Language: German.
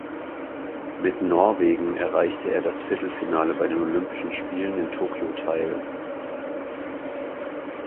Mit Norwegen erreichte er das Viertelfinale bei den Olympischen Spielen in Tokio teil.